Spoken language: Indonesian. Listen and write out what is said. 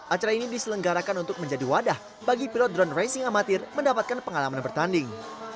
acara ini diselenggarakan untuk menjadi wadah bagi pilot drone racing amatir mendapatkan pengalaman bertanding